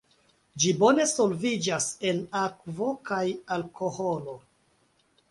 Ĝi bone solviĝas en akvo kaj alkoholo.